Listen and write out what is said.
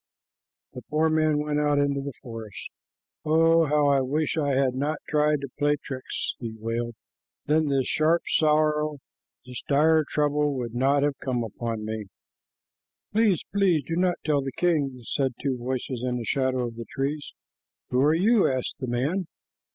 The poor man went out into the forest. "Oh, how I wish I had not tried to play tricks," he wailed. "Then this sharp sorrow, this dire trouble, would not have come upon me." "Please, please do not tell the king," said two voices in the shadow of the trees. "Who are you?" asked the man.